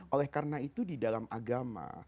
oleh karena itu di dalam agama